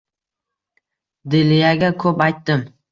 Dilyaga ko‘p aytdim.